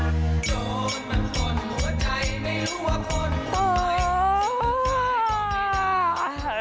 โจรมันกล่อนหัวใจไม่รู้ว่าคนไหนจึงใจก็ไม่รัก